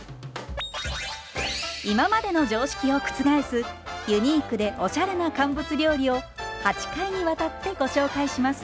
今までの常識を覆すユニークでおしゃれな乾物料理を８回にわたってご紹介します。